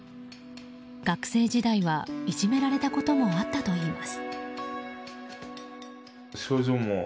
学生時代は、いじめられたこともあったといいます。